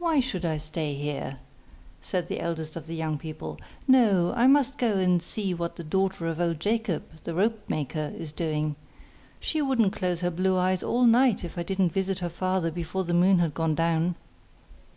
'Why should I stay here?' said the eldest of the young people. 'No, I must go and see what the daughter of old Jacob, the rope maker, is doing. She wouldn't close her blue eyes all night if I didn't visit her father before the moon had gone down.